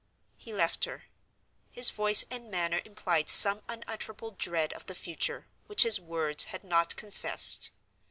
He left her. His voice and manner implied some unutterable dread of the future, which his words had not confessed.